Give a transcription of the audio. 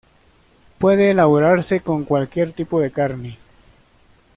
Puede elaborarse con cualquier tipo de carne.